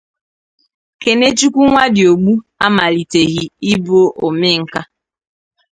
Kenechukwu Nwadiogbu amaliteghị ịbụ omenkà.